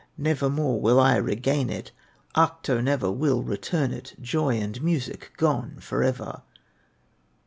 Nevermore will I regain it, Ahto never will return it, Joy and music gone forever!